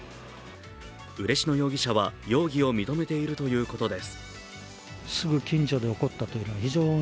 嬉野容疑者は容疑を認めているということです。